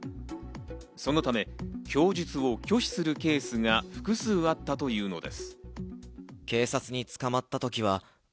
そのため供述を拒否するケースが複数あったというのです。